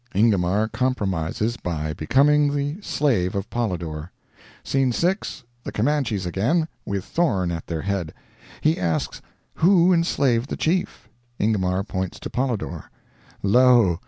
Ingomar compromises by becoming the slave of Polydor. Scene 6.—The Comanches again, with Thorne at their head! He asks who enslaved the chief? Ingomar points to Polydor. Lo!